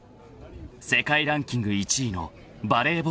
［世界ランキング１位のバレーボール大国だ］